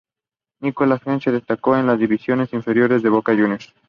Nicolás González se destacó en las divisiones inferiores de Boca Juniors.